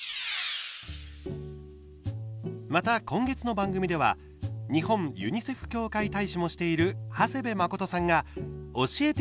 また今月の番組では日本ユニセフ協会大使もしている長谷部誠さんが「おしえて！